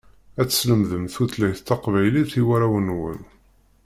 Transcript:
Ad teslemdem tutlayt taqbaylit i warraw-inwen.